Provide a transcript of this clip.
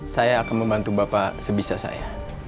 saya akan membantu bapak sebisa saya